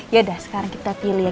ya dah sekarang kita pilih ya